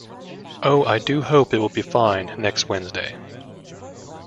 Oh, I do hope it will be fine next Wednesday.